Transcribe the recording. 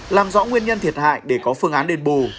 làm rõ nguyên nhân thiệt hại để có phương án đền bù